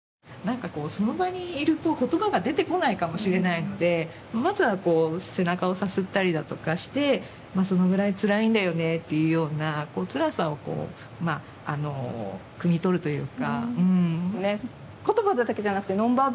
その場にいると言葉が出てこないかもしれないのでまずは背中をさすったりだとかして、そのぐらいつらいんだよねというような、つらさをくみ取るというか。